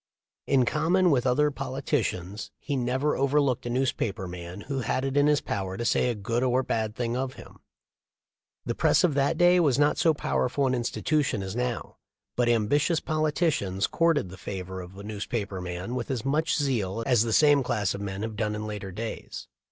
In common with other politicians he never overlooked a newspaper man who had it in his power to say a good or bad thing of him. The press of that day was not so powerful an institution as now, but ambitious politicians courted the favor of a newspaper man with as much zeal as the same class of men have done in later days.